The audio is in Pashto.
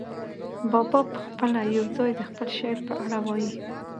بابا پخپله یو ځای د خپل شعر په اړه وايي.